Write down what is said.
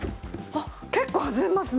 結構弾みますね！